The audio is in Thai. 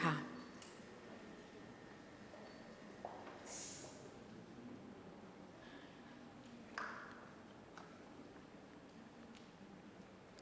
หมายเลข๑๐๐